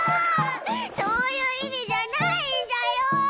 そういう意味じゃないんじゃよ